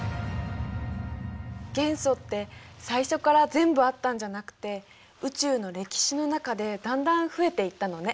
元素って最初から全部あったんじゃなくて宇宙の歴史の中でだんだん増えていったのね。